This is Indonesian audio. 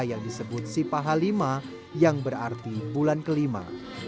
yang disebut sipah halima yang berarti bulan kelima